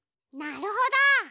なるほど。